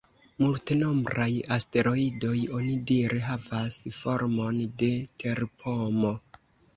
Multenombraj asteroidoj onidire havas formon de terpomo.